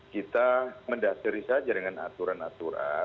kita mendaseri saja dengan aturan aturan